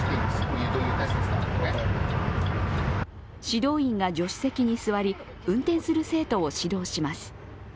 指導員が助手席に座り運転する生徒を指導します。